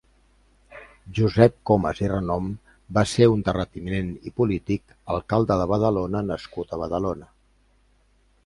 Josep Comas i Renom va ser un terratinent i polític, alcalde de Badalona nascut a Badalona.